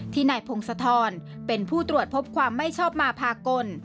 นายพงศธรเป็นผู้ตรวจพบความไม่ชอบมาพากล